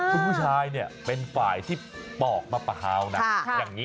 คุณผู้ชายเนี่ยเป็นฝ่ายที่ปอกมะพร้าวนะอย่างนี้